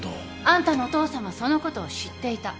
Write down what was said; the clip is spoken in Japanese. あんたのお父さんはそのことを知っていた。